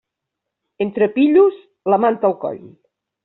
Entre pillos, la manta al coll.